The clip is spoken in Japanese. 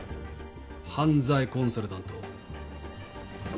犯罪コンサルタント。